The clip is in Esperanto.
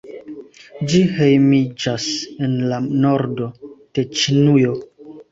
Ĝi hejmiĝas en la nordo de Ĉinujo.